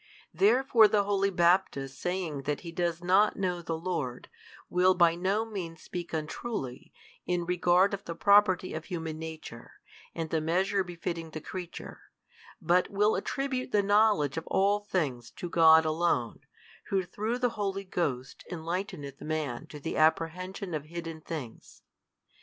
Therefore the holy Baptist saying that he does not know the Lord, will by no means speak untruly, in regard of the property of human nature, and the measure befitting the creature, but will attribute the knowledge of all things to God Alone, Who through the Holy Ghost enlighteneth man to the apprehension of hidden things.